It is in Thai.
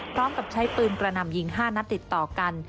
พร้อมกับใช้ปืนกระหน่ำยิง๕นัดติดต่อกัน